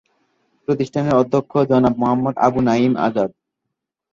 প্রতিষ্ঠানের অধ্যক্ষ জনাব মুহাম্মদ আবু নঈম আজাদ।